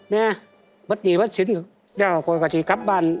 แม่บัดหยีบัดศิลป์เดี๋ยวก่อนกว่าจะกลับบ้าน